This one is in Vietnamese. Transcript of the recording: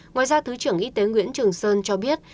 ngoài ra thứ trưởng y tế nguyễn trường sơn cho biết